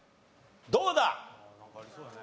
どうだ？